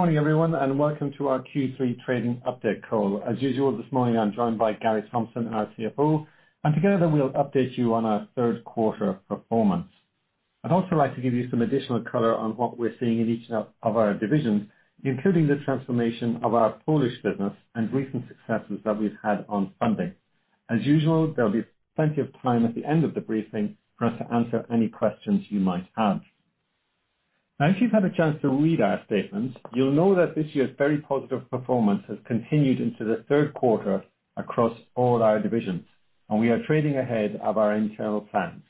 Good morning, everyone, and welcome to our Q3 trading update call. As usual, this morning I'm joined by Gary Thompson, our CFO, and together, we'll update you on our third quarter performance. I'd also like to give you some additional color on what we're seeing in each of our divisions, including the transformation of our Polish business and recent successes that we've had on funding. As usual, there'll be plenty of time at the end of the briefing for us to answer any questions you might have. Now, if you've had a chance to read our statement, you'll know that this year's very positive performance has continued into the third quarter across all our divisions, and we are trading ahead of our internal plans.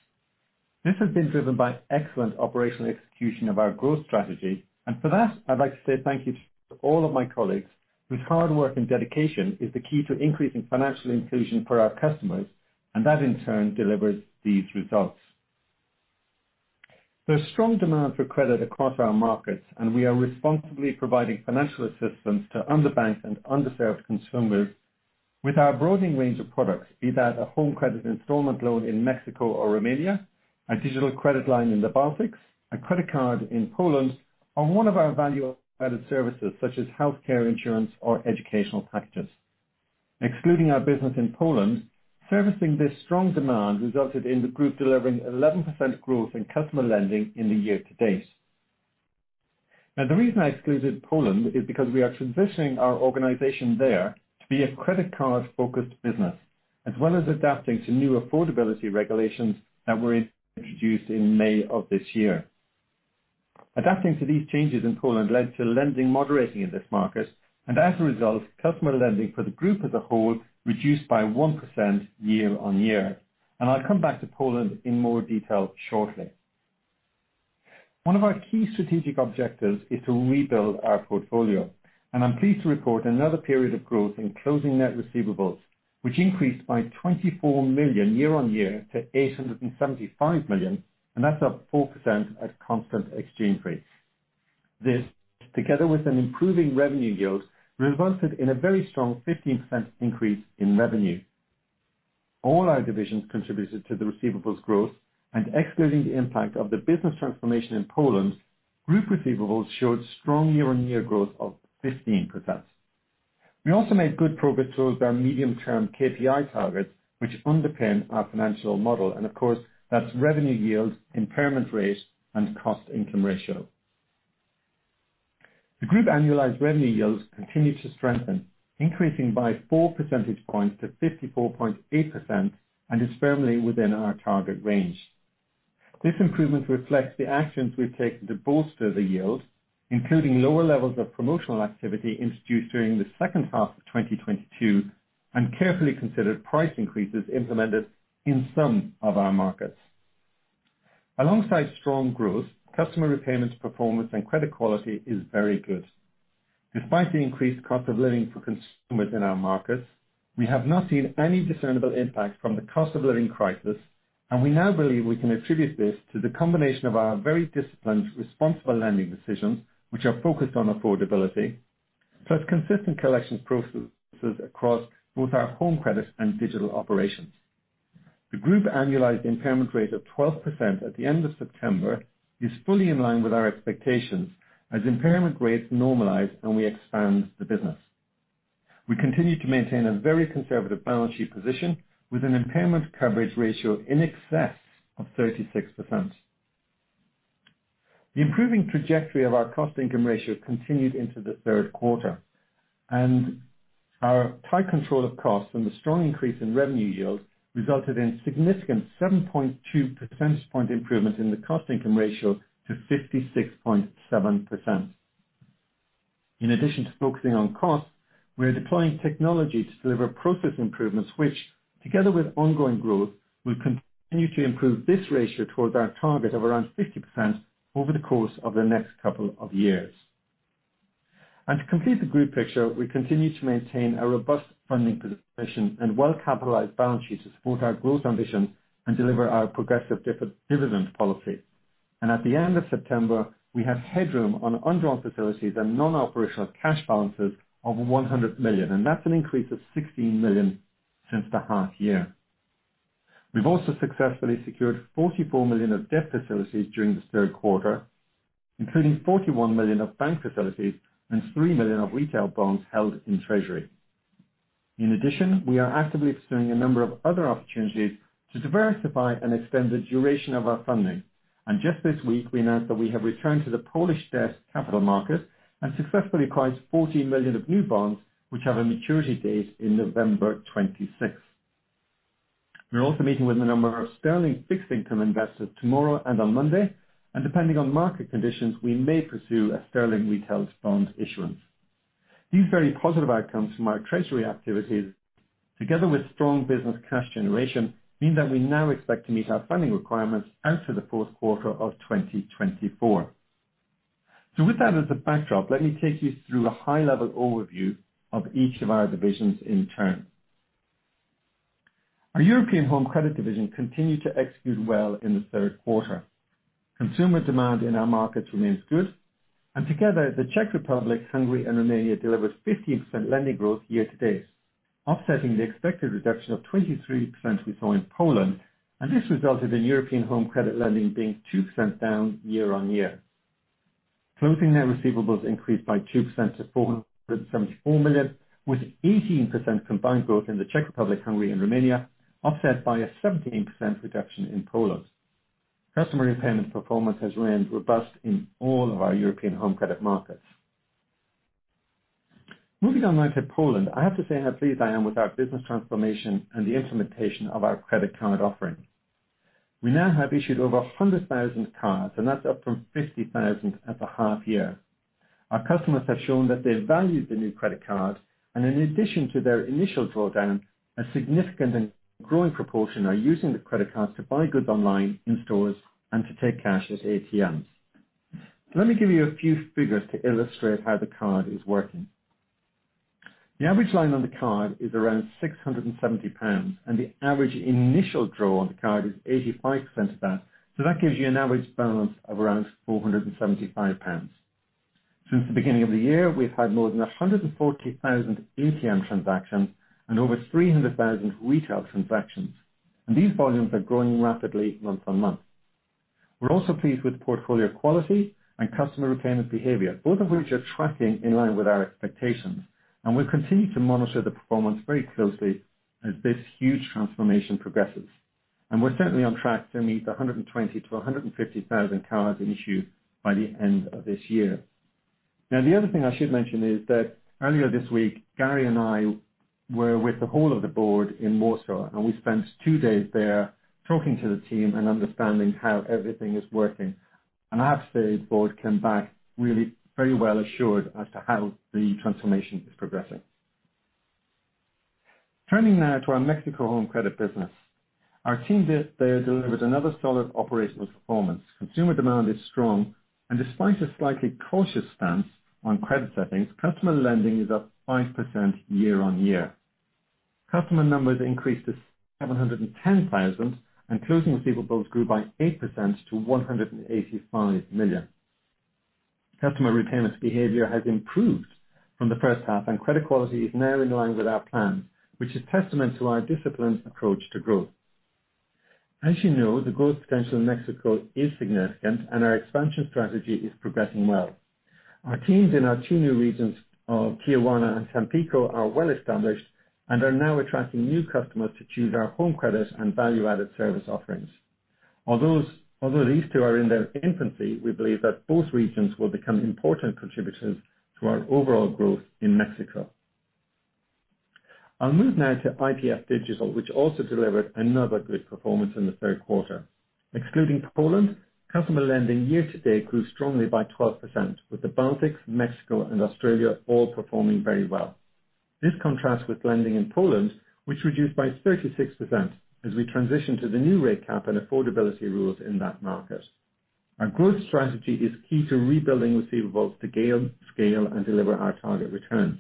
This has been driven by excellent operational execution of our growth strategy, and for that, I'd like to say thank you to all of my colleagues, whose hard work and dedication is the key to increasing financial inclusion for our customers, and that, in turn, delivers these results. There's strong demand for credit across our markets, and we are responsibly providing financial assistance to underbanked and underserved consumers with our broadening range of products, be that a home credit installment loan in Mexico or Romania, a digital credit line in the Baltics, a credit card in Poland, or one of our value-added services such as healthcare, insurance, or educational packages. Excluding our business in Poland, servicing this strong demand resulted in the group delivering 11% growth in customer lending in the year to date. Now, the reason I excluded Poland is because we are transitioning our organization there to be a credit card-focused business, as well as adapting to new affordability regulations that were introduced in May of this year. Adapting to these changes in Poland led to lending moderating in this market, and as a result, customer lending for the group as a whole reduced by 1% year-over-year. I'll come back to Poland in more detail shortly. One of our key strategic objectives is to rebuild our portfolio, and I'm pleased to report another period of growth in closing net receivables, which increased by 24 million year-over-year to 875 million, and that's up 4% at constant exchange rates. This, together with an improving revenue yield, resulted in a very strong 15% increase in revenue. All our divisions contributed to the receivables growth, and excluding the impact of the business transformation in Poland, group receivables showed strong year-on-year growth of 15%. We also made good progress towards our medium-term KPI targets, which underpin our financial model, and of course, that's revenue yield, impairment rates, and cost-income ratio. The group annualized revenue yields continued to strengthen, increasing by four percentage points to 54.8% and is firmly within our target range. This improvement reflects the actions we've taken to bolster the yield, including lower levels of promotional activity introduced during the second half of 2022 and carefully considered price increases implemented in some of our markets. Alongside strong growth, customer repayments, performance, and credit quality is very good. Despite the increased cost of living for consumers in our markets, we have not seen any discernible impact from the cost of living crisis, and we now believe we can attribute this to the combination of our very disciplined, responsible lending decisions, which are focused on affordability, plus consistent collection processes across both our home credit and digital operations. The group annualized impairment rate of 12% at the end of September is fully in line with our expectations as impairment rates normalize and we expand the business. We continue to maintain a very conservative balance sheet position with an impairment coverage ratio in excess of 36%. The improving trajectory of our cost-income ratio continued into the third quarter, and our tight control of costs and the strong increase in revenue yield resulted in a significant 7.2% point improvement in the cost-income ratio to 56.7%. In addition to focusing on costs, we are deploying technology to deliver process improvements, which, together with ongoing growth, will continue to improve this ratio towards our target of around 50% over the course of the next couple of years. And to complete the group picture, we continue to maintain a robust funding position and well-capitalized balance sheet to support our growth ambition and deliver our progressive dividend policy. And at the end of September, we had headroom on undrawn facilities and non-operational cash balances of 100 million, and that's an increase of 16 million since the half year. We've also successfully secured 44 million of debt facilities during the third quarter, including 41 million of bank facilities and 3 million of retail bonds held in treasury. In addition, we are actively exploring a number of other opportunities to diversify and extend the duration of our funding. And just this week, we announced that we have returned to the Polish debt capital market and successfully acquired 14 million of new bonds, which have a maturity date in November 2026. We're also meeting with a number of sterling fixed income investors tomorrow and on Monday, and depending on market conditions, we may pursue a sterling retail bond issuance. These very positive outcomes from our treasury activities, together with strong business cash generation, mean that we now expect to meet our funding requirements out to the fourth quarter of 2024. So with that as a backdrop, let me take you through a high-level overview of each of our divisions in turn. Our European Home Credit division continued to execute well in the third quarter. Consumer demand in our markets remains good, and together the Czech Republic, Hungary and Romania delivered 15% lending growth year to date... offsetting the expected reduction of 23% we saw in Poland, and this resulted in European Home Credit lending being 2% down year-on-year. Closing net receivables increased by 2% to 474 million, with 18% combined growth in the Czech Republic, Hungary and Romania, offset by a 17% reduction in Poland. Customer repayment performance has remained robust in all of our European Home Credit markets. Moving on now to Poland, I have to say how pleased I am with our business transformation and the implementation of our credit card offering. We now have issued over 100,000 cards, and that's up from 50,000 at the half year. Our customers have shown that they value the new credit card, and in addition to their initial drawdown, a significant and growing proportion are using the credit card to buy goods online, in stores, and to take cash at ATMs. Let me give you a few figures to illustrate how the card is working. The average line on the card is around 670 pounds, and the average initial draw on the card is 85% of that. So that gives you an average balance of around 475 pounds. Since the beginning of the year, we've had more than 140,000 ATM transactions and over 300,000 retail transactions, and these volumes are growing rapidly month-on-month. We're also pleased with portfolio quality and customer repayment behavior, both of which are tracking in line with our expectations, and we've continued to monitor the performance very closely as this huge transformation progresses. And we're certainly on track to meet the 120,000-150,000 cards issued by the end of this year. Now, the other thing I should mention is that earlier this week, Gary and I were with the whole of the board in Warsaw, and we spent two days there talking to the team and understanding how everything is working. I have to say, the board came back really very well assured as to how the transformation is progressing. Turning now to our Mexico Home Credit business. Our team there delivered another solid operational performance. Consumer demand is strong, and despite a slightly cautious stance on credit settings, customer lending is up 5% year-on-year. Customer numbers increased to 710,000, and closing receivables grew by 8% to 185 million. Customer retention behavior has improved from the first half, and credit quality is now in line with our plan, which is testament to our disciplined approach to growth. As you know, the growth potential in Mexico is significant, and our expansion strategy is progressing well. Our teams in our two new regions of Tijuana and Tampico are well established and are now attracting new customers to choose our home credit and value-added service offerings. Although these two are in their infancy, we believe that both regions will become important contributors to our overall growth in Mexico. I'll move now to IPF Digital, which also delivered another good performance in the third quarter. Excluding Poland, customer lending year to date grew strongly by 12%, with the Baltics, Mexico and Australia all performing very well. This contrasts with lending in Poland, which reduced by 36% as we transition to the new rate cap and affordability rules in that market. Our growth strategy is key to rebuilding receivables to scale, scale, and deliver our target returns,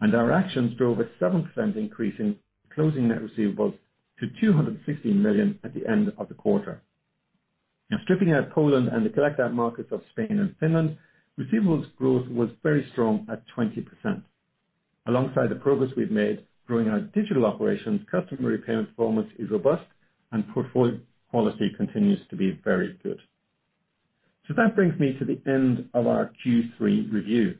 and our actions drove a 7% increase in closing net receivables to 260 million at the end of the quarter. Now, stripping out Poland and the collect-out markets of Spain and Finland, receivables growth was very strong at 20%. Alongside the progress we've made growing our digital operations, customer repayment performance is robust, and portfolio quality continues to be very good. So that brings me to the end of our Q3 review.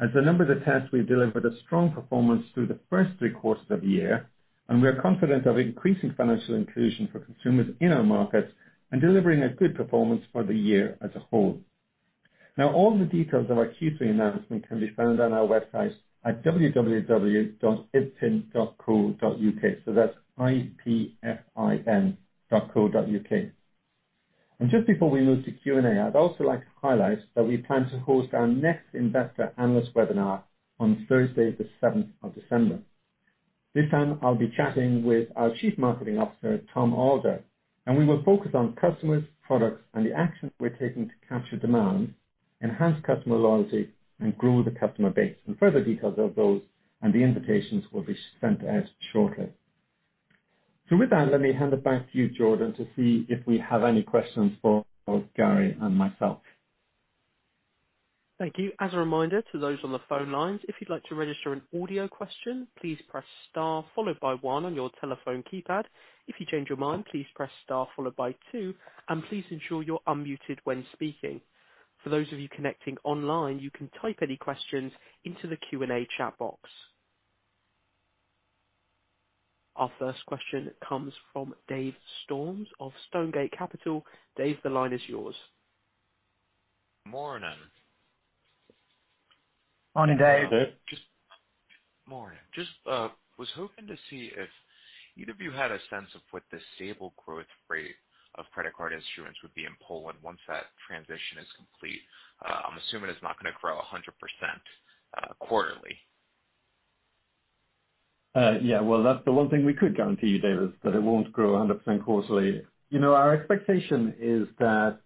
As I mentioned at the start, we've delivered a strong performance through the first three quarters of the year, and we are confident of increasing financial inclusion for consumers in our markets and delivering a good performance for the year as a whole. Now, all the details of our Q3 announcement can be found on our website at www.ipfin.co.uk. So that's IPFIN.co.uk. Just before we move to Q&A, I'd also like to highlight that we plan to host our next investor analyst webinar on Thursday, the seventh of December. This time, I'll be chatting with our Chief Marketing Officer, Tom Allder, and we will focus on customers, products, and the actions we're taking to capture demand, enhance customer loyalty, and grow the customer base. Further details of those and the invitations will be sent out shortly. So with that, let me hand it back to you, Jordan, to see if we have any questions for both Gary and myself. Thank you. As a reminder to those on the phone lines, if you'd like to register an audio question, please press Star followed by one on your telephone keypad. If you change your mind, please press Star followed by two, and please ensure you're unmuted when speaking. For those of you connecting online, you can type any questions into the Q&A chat box. Our first question comes from Dave Storms of Stonegate Capital. Dave, the line is yours. Morning. Morning, Dave. Morning. Just was hoping to see if either of you had a sense of what the stable growth rate of credit card issuance would be in Poland once that transition is complete. I'm assuming it's not going to grow 100%, quarterly. Yeah, well, that's the one thing we could guarantee you, Dave, is that it won't grow 100% quarterly. You know, our expectation is that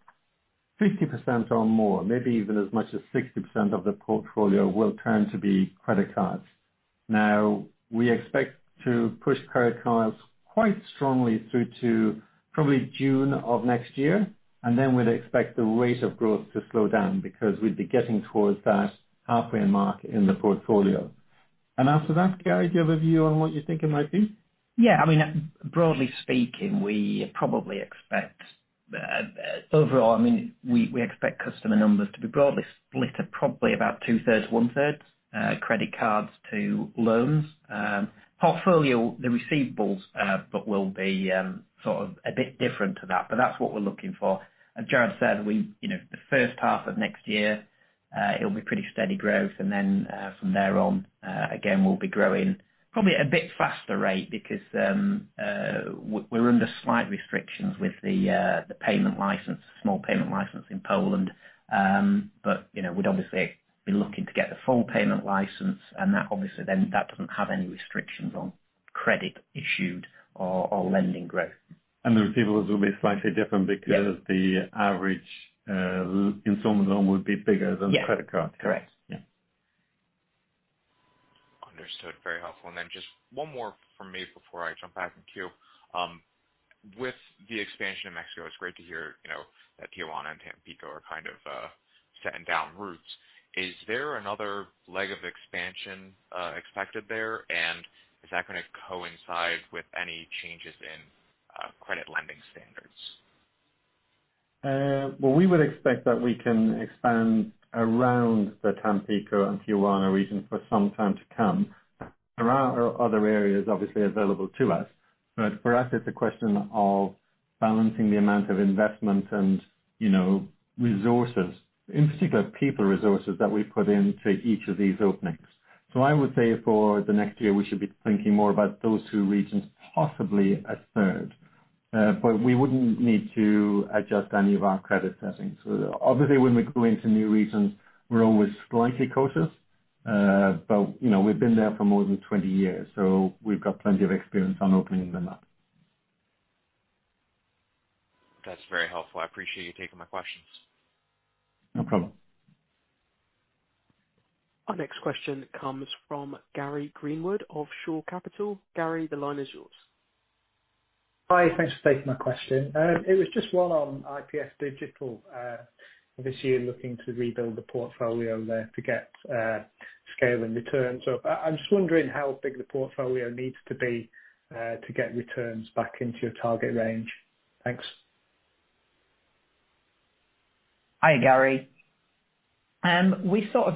50% or more, maybe even as much as 60% of the portfolio, will turn to be credit cards. Now, we expect to push credit cards quite strongly through to probably June of next year, and then we'd expect the rate of growth to slow down because we'd be getting towards that halfway mark in the portfolio. And after that, Gary, do you have a view on what you think it might be? Yeah. I mean, broadly speaking, we probably expect, overall, I mean, we, we expect customer numbers to be broadly split at probably about two-thirds, one-third, credit cards to loans. Portfolio, the receivables, but will be, sort of a bit different to that. But that's what we're looking for. As Gerard said, we, you know, the first half of next year, it'll be pretty steady growth. And then, from there on, again, we'll be growing probably at a bit faster rate because, we're, we're under slight restrictions with the, the payment license, small payment license in Poland. But, you know, we'd obviously be looking to get the full payment license, and that obviously then, that doesn't have any restrictions on credit issued or, or lending growth. The receivables will be slightly different- Yes. - because the average installment loan will be bigger than the credit card. Yeah. Correct. Yeah. Understood. Very helpful. And then just one more from me before I jump back in queue. With the expansion in Mexico, it's great to hear, you know, that Tijuana and Tampico are kind of setting down roots. Is there another leg of expansion expected there? And is that going to coincide with any changes in credit lending standards? Well, we would expect that we can expand around the Tampico and Tijuana region for some time to come. There are other areas obviously available to us, but for us, it's a question of balancing the amount of investment and, you know, resources, in particular, people resources, that we put into each of these openings. So I would say for the next year, we should be thinking more about those two regions, possibly a third. But we wouldn't need to adjust any of our credit settings. Obviously, when we go into new regions, we're always slightly cautious, but, you know, we've been there for more than 20 years, so we've got plenty of experience on opening them up. That's very helpful. I appreciate you taking my questions. No problem. Our next question comes from Gary Greenwood of Shore Capital. Gary, the line is yours. Hi, thanks for taking my question. It was just one on IPF Digital this year, looking to rebuild the portfolio there to get scale and return. So I, I'm just wondering how big the portfolio needs to be to get returns back into your target range. Thanks. Hi, Gary. We sort of,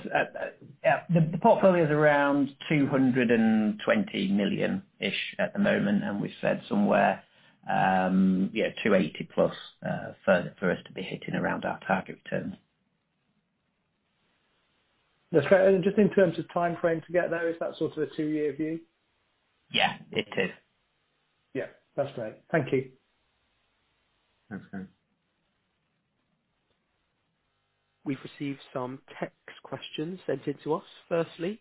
the portfolio is around 220 million-ish at the moment, and we said somewhere, yeah, 280 plus, for us to be hitting around our target return. That's great. Just in terms of timeframe to get there, is that sort of a two-year view? Yeah, it is. Yeah. That's great. Thank you. Thanks, Gary. We've received some text questions sent in to us. Firstly,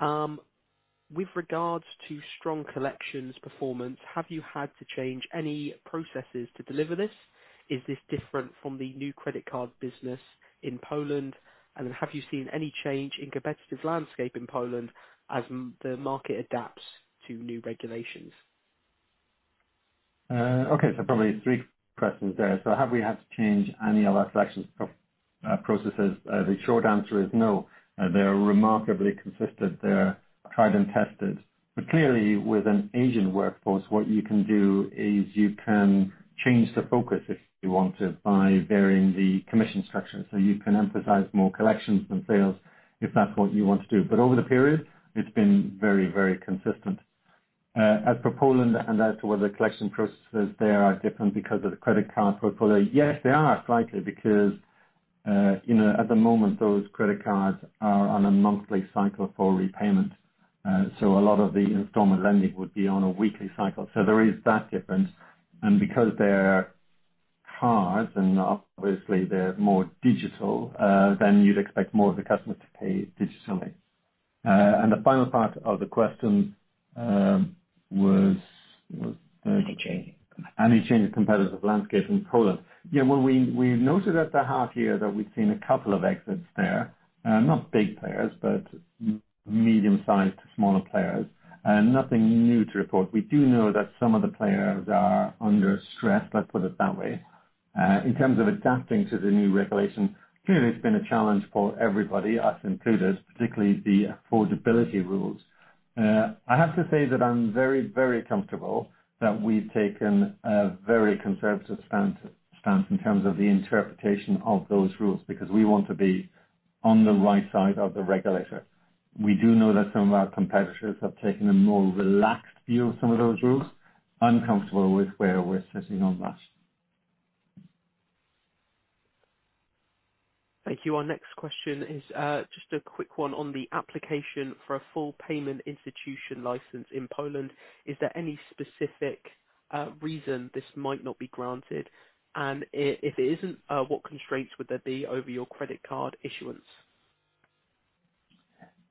with regards to strong collections performance, have you had to change any processes to deliver this? Is this different from the new credit card business in Poland? And then, have you seen any change in competitive landscape in Poland as the market adapts to new regulations? Okay, so probably three questions there. So have we had to change any of our collection processes? The short answer is no. They are remarkably consistent. They're tried and tested. But clearly, with an agent workforce, what you can do is you can change the focus if you want to, by varying the commission structure. So you can emphasize more collections than sales, if that's what you want to do. But over the period, it's been very, very consistent. As for Poland, and as to whether collection processes there are different because of the credit card portfolio, yes, they are slightly, because, you know, at the moment, those credit cards are on a monthly cycle for repayment. So a lot of the installment lending would be on a weekly cycle. So there is that difference. Because they're cards, and obviously they're more digital than you'd expect more of the customers to pay digitally. And the final part of the question was- Any change. Any change in competitive landscape in Poland? Yeah, well, we, we noted at the half year that we've seen a couple of exits there. Not big players, but medium-sized to smaller players, and nothing new to report. We do know that some of the players are under stress, let's put it that way. In terms of adapting to the new regulation, clearly, it's been a challenge for everybody, us included, particularly the affordability rules. I have to say that I'm very, very comfortable that we've taken a very conservative stance, stance in terms of the interpretation of those rules, because we want to be on the right side of the regulator. We do know that some of our competitors have taken a more relaxed view of some of those rules. I'm comfortable with where we're sitting on that. Thank you. Our next question is, just a quick one on the application for a full payment institution license in Poland. Is there any specific reason this might not be granted? And if it isn't, what constraints would there be over your credit card issuance?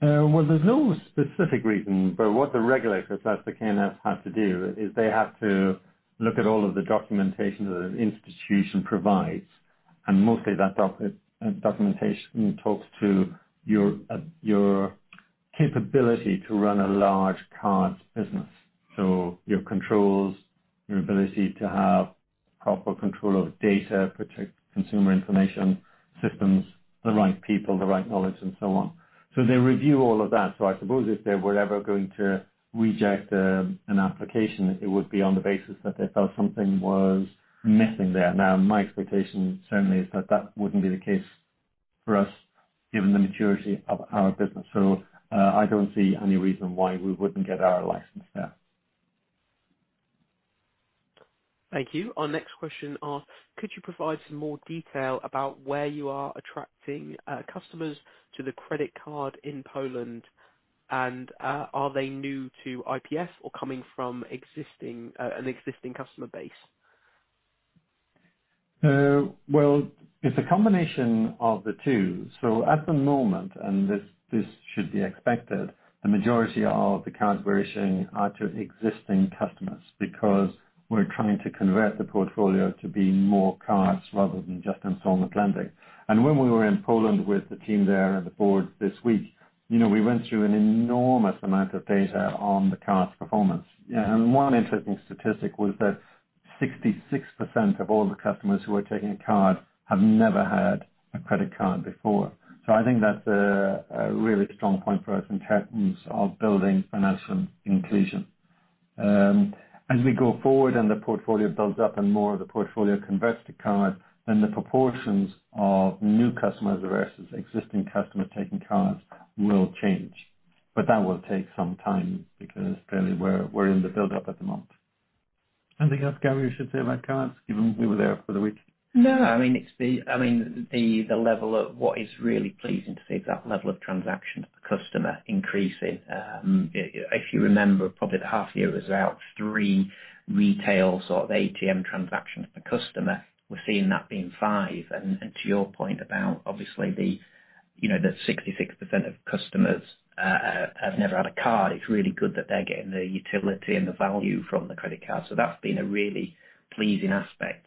Well, there's no specific reason, but what the regulators, that's the KNF, has to do, is they have to look at all of the documentation that an institution provides, and mostly that documentation talks to your capability to run a large card business. So your controls, your ability to have proper control of data, protect consumer information systems, the right people, the right knowledge, and so on. So they review all of that. So I suppose if they were ever going to reject an application, it would be on the basis that they felt something was missing there. Now, my expectation, certainly, is that that wouldn't be the case for us, given the maturity of our business. So I don't see any reason why we wouldn't get our license there. Thank you. Our next question asks; Could you provide some more detail about where you are attracting customers to the credit card in Poland? And, are they new to IPF or coming from existing customer base? Well, it's a combination of the two. So at the moment, and this, this should be expected, the majority of the cards we're issuing are to existing customers, because we're trying to convert the portfolio to be more cards rather than just installment lending. When we were in Poland with the team there and the board this week, you know, we went through an enormous amount of data on the card's performance. One interesting statistic was that 66% of all the customers who are taking a card have never had a credit card before. So I think that's a, a really strong point for us in terms of building financial inclusion. As we go forward and the portfolio builds up and more of the portfolio converts to card, then the proportions of new customers versus existing customers taking cards will change. But that will take some time because clearly we're in the build-up at the moment. Anything else, Gary, you should say about cards, given we were there for the week? No, I mean, it's the... I mean, the, the level of what is really pleasing to see is that level of transaction per customer increasing. If you remember, probably at half year, it was about 3 retail sort of ATM transactions per customer. We're seeing that being 5. And to your point about obviously the, you know, the 66% of customers have never had a card, it's really good that they're getting the utility and the value from the credit card. So that's been a really pleasing aspect,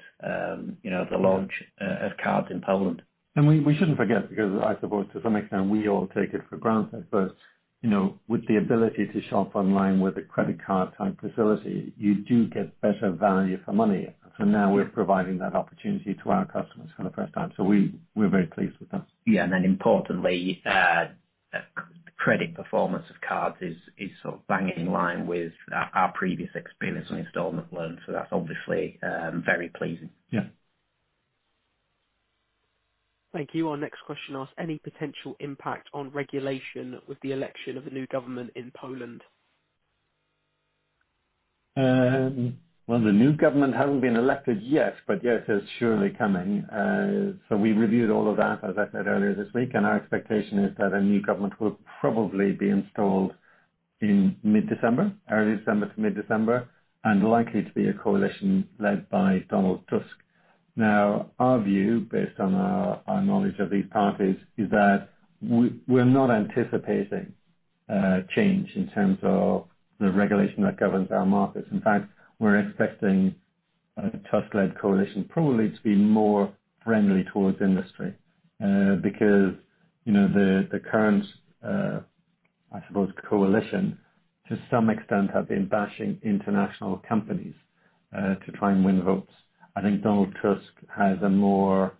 you know, of the launch of cards in Poland. We shouldn't forget, because I suppose to some extent, we all take it for granted. But, you know, with the ability to shop online with a credit card type facility, you do get better value for money. So now we're providing that opportunity to our customers for the first time, so we're very pleased with that. Yeah, and then importantly, credit performance of cards is sort of bang in line with our previous experience on installment loans. So that's obviously very pleasing. Yeah. Thank you. Our next question asks, "Any potential impact on regulation with the election of the new government in Poland? Well, the new government hasn't been elected yet, but yes, it's surely coming. So we reviewed all of that, as I said earlier this week, and our expectation is that a new government will probably be installed in mid-December, early December to mid-December, and likely to be a coalition led by Donald Tusk. Now, our view, based on our knowledge of these parties, is that we're not anticipating change in terms of the regulation that governs our markets. In fact, we're expecting a Tusk-led coalition probably to be more friendly towards industry, because, you know, the current, I suppose, coalition, to some extent, have been bashing international companies, to try and win votes. I think Donald Tusk has a more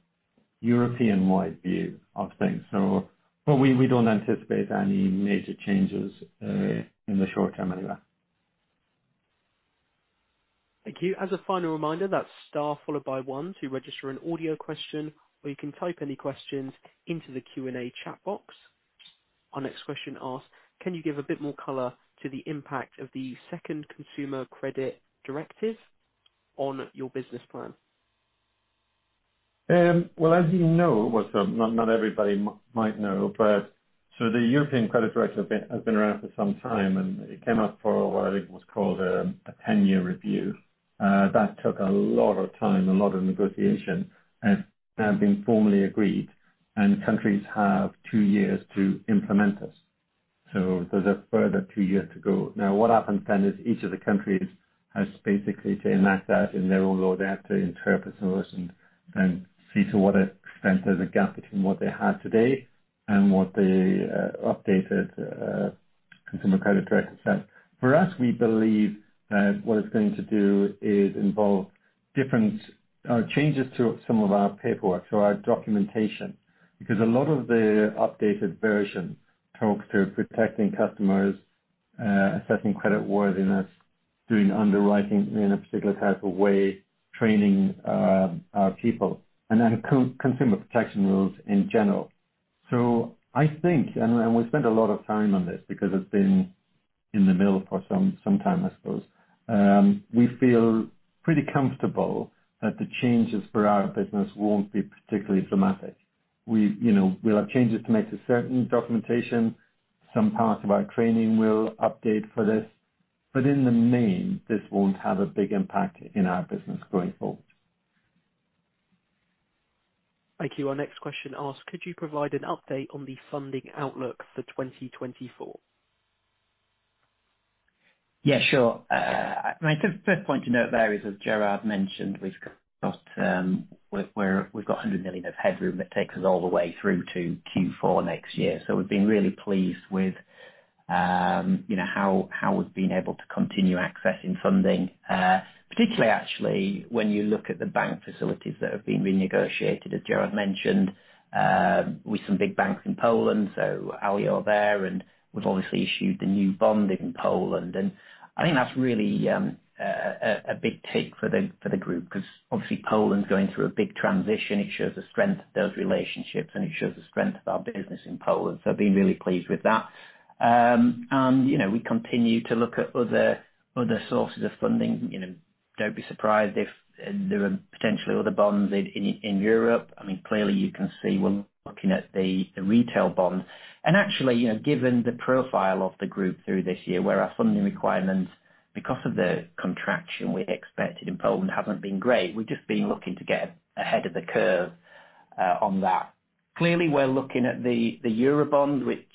European-wide view of things. But we don't anticipate any major changes, in the short term anyway. Thank you. As a final reminder, that's star followed by one to register an audio question, or you can type any questions into the Q&A chat box. Our next question asks, "Can you give a bit more color to the impact of the second Consumer Credit Directive on your business plan? Well, as you know, not everybody might know, but the Consumer Credit Directive has been around for some time, and it came up for what I think was called a 10-year review. That took a lot of time, a lot of negotiation, and has been formally agreed, and countries have two years to implement this. So there's a further two years to go. Now, what happens then is each of the countries has basically to enact that in their own law. They have to interpret those and see to what extent there's a gap between what they have today and what the updated Consumer Credit Directive says. For us, we believe that what it's going to do is involve different changes to some of our paperwork, so our documentation. Because a lot of the updated version talks to protecting customers, assessing creditworthiness, doing underwriting in a particular type of way, training our people, and then consumer protection rules in general. So I think, and we spent a lot of time on this because it's been in the middle for some time, I suppose. We feel pretty comfortable that the changes for our business won't be particularly dramatic. We, you know, we'll have changes to make to certain documentation. Some parts of our training will update for this, but in the main, this won't have a big impact in our business going forward. Thank you. Our next question asks, "Could you provide an update on the funding outlook for 2024? Yeah, sure. My first point to note there is, as Gerard mentioned, we've got 100 million of headroom that takes us all the way through to Q4 next year. So we've been really pleased with you know, how we've been able to continue accessing funding, particularly actually when you look at the bank facilities that have been renegotiated, as Gerard mentioned, with some big banks in Poland. So Alior, you're there and we've obviously issued the new bond in Poland, and I think that's really a big take for the group, 'cause obviously Poland's going through a big transition. It shows the strength of those relationships, and it shows the strength of our business in Poland. So I've been really pleased with that. You know, we continue to look at other sources of funding. You know, don't be surprised if there are potentially other bonds in Europe. I mean, clearly you can see we're looking at the retail bond. Actually, you know, given the profile of the group through this year, where our funding requirements, because of the contraction we expected in Poland, haven't been great. We've just been looking to get ahead of the curve on that. Clearly, we're looking at the Eurobond, which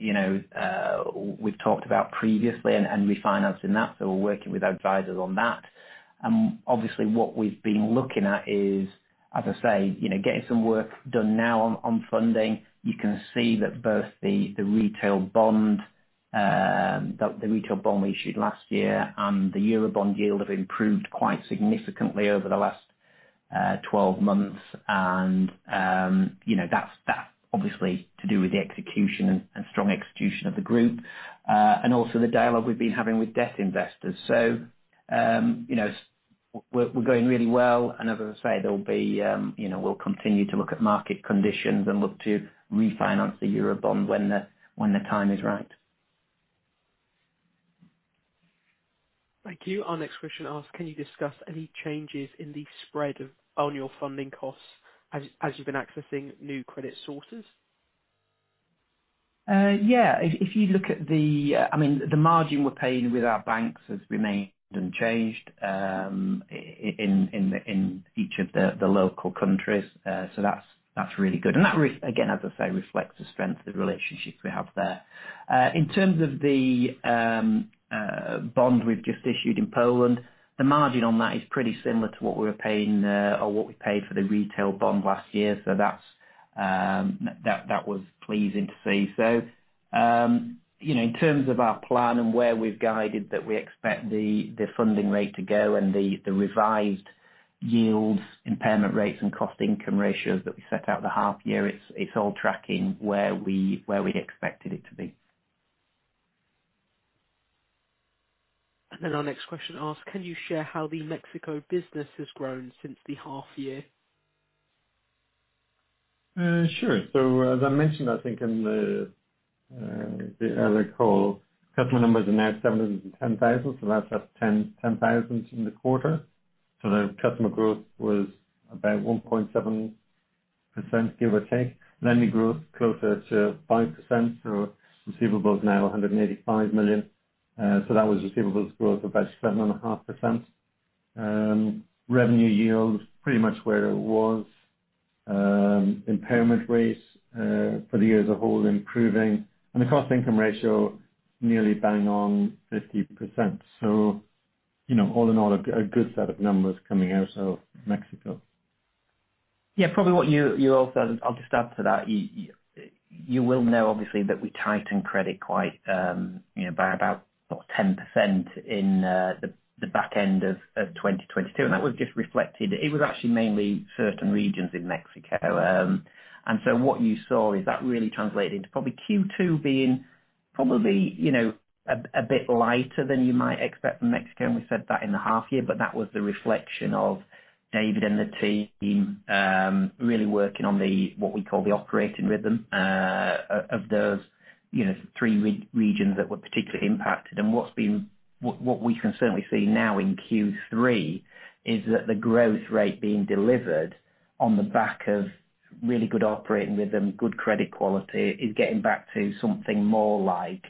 you know we've talked about previously and refinancing that, so we're working with our advisors on that. Obviously, what we've been looking at is, as I say, you know, getting some work done now on funding. You can see that both the retail bond we issued last year and the Eurobond yield have improved quite significantly over the last 12 months. And, you know, that's, that's obviously to do with the execution and strong execution of the group, and also the dialogue we've been having with debt investors. So, you know, we're, we're going really well, and as I say, there will be... You know, we'll continue to look at market conditions and look to refinance the Eurobond when the time is right. Thank you. Our next question asks: Can you discuss any changes in the spread of annual funding costs as you've been accessing new credit sources? Yeah. If you look at the, I mean, the margin we're paying with our banks has remained unchanged, in each of the local countries. So that's really good. And that again, as I say, reflects the strength of the relationships we have there. In terms of the bond we've just issued in Poland, the margin on that is pretty similar to what we were paying, or what we paid for the retail bond last year. So that was pleasing to see. So, you know, in terms of our plan and where we've guided that we expect the funding rate to go and the revised yields, impairment rates, and cost income ratios that we set out the half year, it's all tracking where we'd expected it to be. Our next question asks: Can you share how the Mexico business has grown since the half year? Sure. So as I mentioned, I think in the earlier call, customer numbers are now 710,000, so that's up 10,000 in the quarter. So the customer growth was about 1.7%, give or take. Lending grew closer to 5%, so receivable is now MNX 185 million. So that was receivables growth of about 7.5%. Revenue yield, pretty much where it was. Impairment rates, for the year as a whole, improving. And the cost-income ratio, nearly bang on 50%. So, you know, all in all, a good set of numbers coming out of Mexico. Yeah, probably what you also. I'll just add to that. You will know, obviously, that we tightened credit quite, you know, by about 10% in the back end of 2022, and that was just reflected. It was actually mainly certain regions in Mexico. And so what you saw is that really translated into probably Q2 being probably, you know, a bit lighter than you might expect from Mexico, and we said that in the half year, but that was the reflection of David and the team really working on the what we call the operating rhythm of those, you know, three regions that were particularly impacted. What we can certainly see now in Q3 is that the growth rate being delivered on the back of really good operating rhythm, good credit quality, is getting back to something more like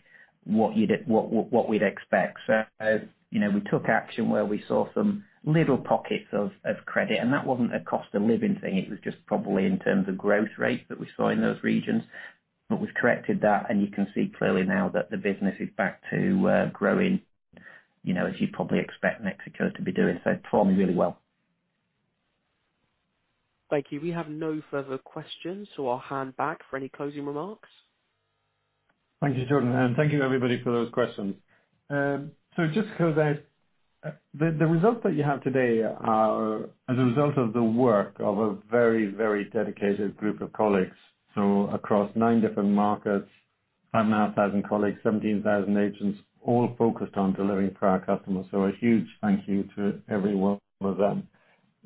what we'd expect. So, you know, we took action where we saw some little pockets of credit, and that wasn't a cost of living thing, it was just probably in terms of growth rates that we saw in those regions. But we've corrected that, and you can see clearly now that the business is back to growing, you know, as you'd probably expect Mexico to be doing. So it's performing really well. Thank you. We have no further questions, so I'll hand back for any closing remarks. Thank you, Jordan, and thank you, everybody, for those questions. So just because the results that you have today are as a result of the work of a very, very dedicated group of colleagues. So across 9 different markets, 5,500 colleagues, 17,000 agents, all focused on delivering for our customers. So a huge thank you to every one of them.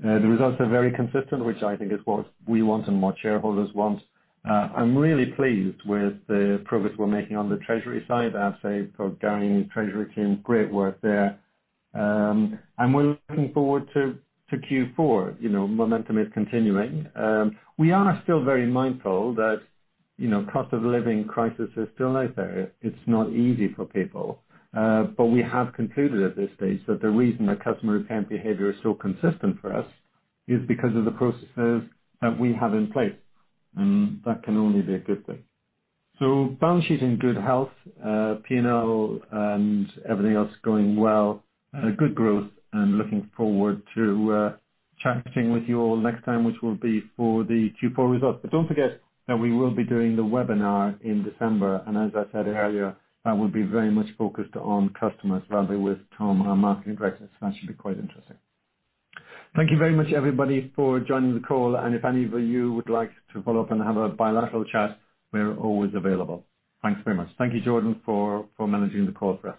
The results are very consistent, which I think is what we want and what shareholders want. I'm really pleased with the progress we're making on the treasury side. As I said, for Gary and the treasury team, great work there. And we're looking forward to Q4. You know, momentum is continuing. We are still very mindful that, you know, cost of living crisis is still out there. It's not easy for people, but we have concluded at this stage, that the reason our customer payment behavior is so consistent for us, is because of the processes that we have in place, and that can only be a good thing. So balance sheet's in good health, P&L and everything else is going well. Good growth, and looking forward to chatting with you all next time, which will be for the Q4 results. But don't forget that we will be doing the webinar in December, and as I said earlier, that will be very much focused on customers, rather, with Tom, our Marketing Director, so that should be quite interesting. Thank you very much, everybody, for joining the call, and if any of you would like to follow up and have a bilateral chat, we're always available. Thanks very much. Thank you, Jordan, for managing the call for us.